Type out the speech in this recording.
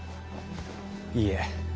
いいえ